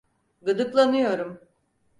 Gıdıklanıyorum.